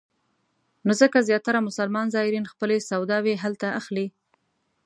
نو ځکه زیاتره مسلمان زایرین خپلې سوداوې هلته اخلي.